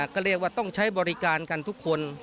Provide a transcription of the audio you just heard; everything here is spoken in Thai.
ก็เรียกว่าต้องใช้บริการกันทุกคน